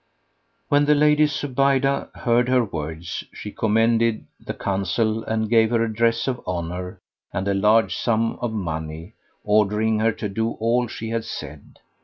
When the Lady Zubaydah heard her words, she commended the counsel and gave her a dress of honour and a large sum of money, ordering her to do all she had said.